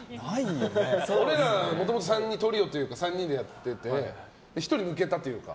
俺ら、もともとトリオというか３人でやってて１人抜けたというか。